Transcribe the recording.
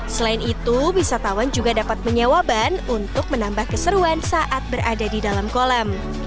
selain itu wisatawan juga dapat menyewa ban untuk menambah keseruan saat berada di dalam kolam